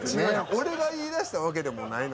俺が言いだしたわけでもないのに。